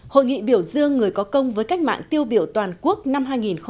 hội nghị biểu dương người có công với cách mạng tiêu biểu toàn quốc năm hai nghìn một mươi chín